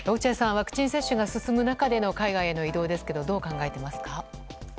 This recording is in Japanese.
ワクチン接種が進む中での海外への移動ですがどう考えていますか。